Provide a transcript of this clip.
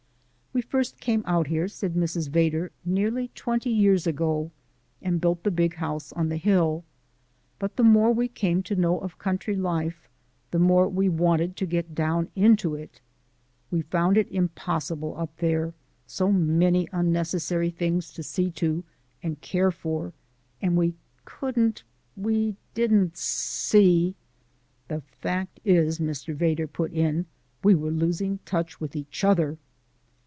"We first came out here," said Mrs. Vedder, "nearly twenty years ago, and built the big house on the hill. But the more we came to know of country life the more we wanted to get down into it. We found it impossible up there so many unnecessary things to see to and care for and we couldn't we didn't see " "The fact is," Mr. Vedder put in, "we were losing touch with each other."